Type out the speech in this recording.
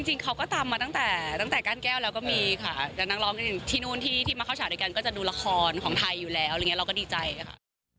จริงเขาก็ตามมาตั้งแต่กั้นแก้วแล้วก็มีค่ะที่นู่นที่มาเข้าฉากด้วยกันก็จะดูละครของไทยอยู่แล้วเราก็ดีใจค่ะ